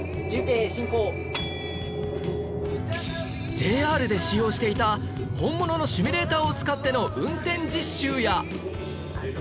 ＪＲ で使用していた本物のシミュレーターを使っての運転実習や